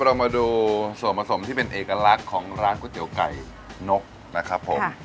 เรามาดูส่วนผสมที่เป็นเอกลักษณ์ของร้านก๋วยเตี๋ยวไก่นกนะครับผม